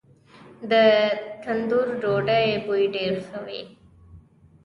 د تندور ډوډۍ بوی ډیر ښه وي.